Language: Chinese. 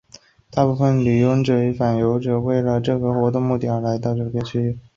大部分的游行者与反游行者为了这个目的而来到这片区域。